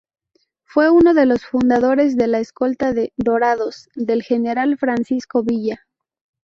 Fue uno de los fundadores de la escolta de ""Dorados"" del general Francisco Villa.